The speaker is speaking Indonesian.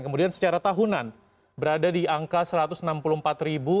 kemudian secara tahunan berada di angka satu ratus enam puluh empat ribu